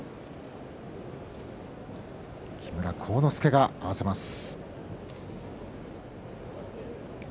木村晃之助が合わせます。